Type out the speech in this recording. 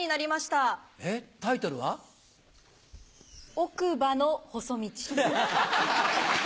「奥歯の細道」。